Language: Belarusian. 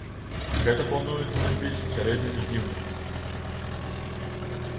Гэта плануецца зрабіць у сярэдзіне жніўня.